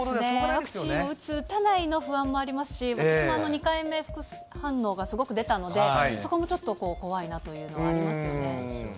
ワクチンを打つ打たないの不安もありますし、私も２回目、副反応がすごく出たので、そこもちょっと怖いなというのはありまそうですね。